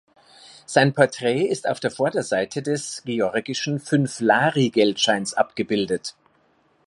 Sein Porträt ist auf der Vorderseite des georgischen Fünf-Lari-Geldscheins abgebildet.